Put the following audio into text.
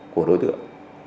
của đối tượng